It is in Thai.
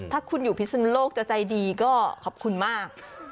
ถ้าคุณอยู่พิศนุโลกจะใจดีก็ขอบคุณมาก